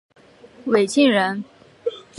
讳庆仁。